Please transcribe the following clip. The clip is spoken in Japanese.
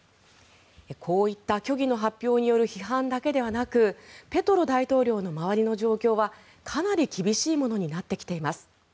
こういった虚偽の発表による批判だけでなくペトロ大統領の周りの状況はかなり厳しいものになってきています。